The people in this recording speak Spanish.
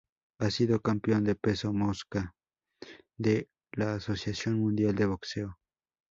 Ha sido campeón de peso mosca de la Asociación Mundial de Boxeo.